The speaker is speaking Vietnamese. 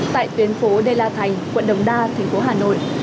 tại tuyến phố đê la thành quận đồng đa thành phố hà nội